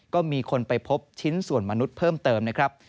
ก็มีคนไปพบชิ้นส่วนมนุษย์เพิ่มเติมนะครับ